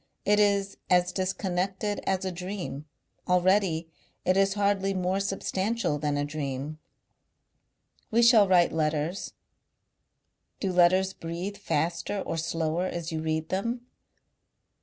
It is as disconnected as a dream.... Already it is hardly more substantial than a dream.... "We shall write letters. Do letters breathe faster or slower as you read them?